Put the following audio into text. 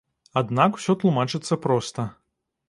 Аднак усё тлумачыцца проста.